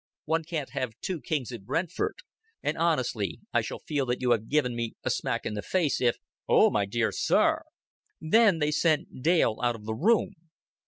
"One can't have two kings at Brentford. And honestly I shall feel that you have given me a smack in the face, if " "Oh, my dear sir!" Then they sent Dale out of the room.